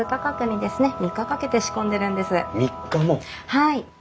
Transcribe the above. はい。